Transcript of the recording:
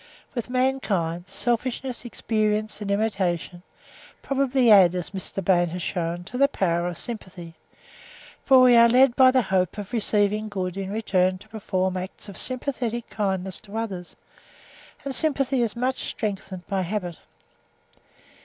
With mankind, selfishness, experience, and imitation, probably add, as Mr. Bain has shewn, to the power of sympathy; for we are led by the hope of receiving good in return to perform acts of sympathetic kindness to others; and sympathy is much strengthened by habit.